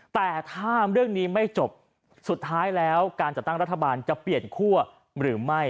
แต่ถ้าเรื่องนี้ไม่จบสุดท้ายแล้วการจัดตั้งรัฐบาลจะเปลี่ยนคั่วหรือไม่